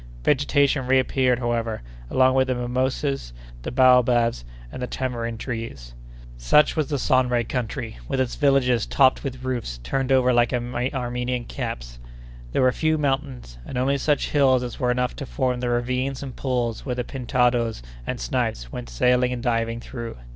Vegetation reappeared, however, along with the mimosas, the baobabs, and the tamarind trees. Such was the Sonray country, with its villages topped with roofs turned over like Armenian caps. There were few mountains, and only such hills as were enough to form the ravines and pools where the pintadoes and snipes went sailing and diving through.